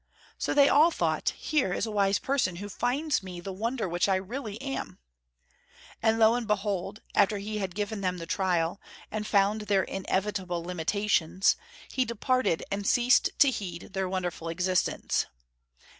So they all thought: Here is a wise person who finds me the wonder which I really am. And lo and behold, after he had given them the trial, and found their inevitable limitations, he departed and ceased to heed their wonderful existence.